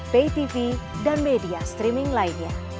baytv dan media streaming lainnya